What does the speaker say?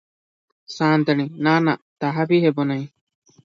ସା’ନ୍ତାଣୀ – ନା – ନା, ତାହା ବି ହେବ ନାହିଁ ।